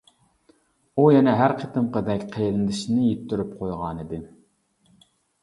ئۇ يەنە ھەر قېتىمقىدەك قېرىندىشىنى يىتتۈرۈپ قويغانىدى.